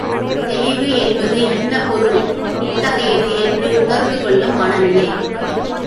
தெளிவு என்பது இன்ன பொருள் இத்தகையது என்று உணர்ந்துகொள்ளும் மனநிலை.